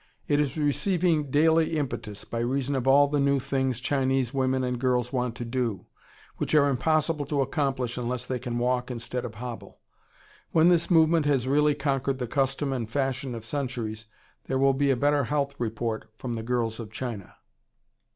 It is receiving daily impetus by reason of all the new things Chinese women and girls want to do, which are impossible to accomplish unless they can walk instead of hobble. When this movement has really conquered the custom and "fashion" of centuries, there will be a better health report from the girls of China.